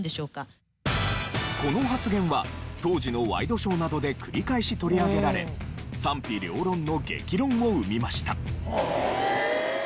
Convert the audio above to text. この発言は当時のワイドショーなどで繰り返し取り上げられ賛否両論の激論を生みました。